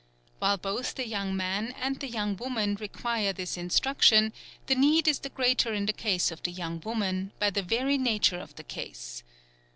While both the young man and the young woman require this instruction, the need is the greater in the case of the young woman, by the very nature of the case.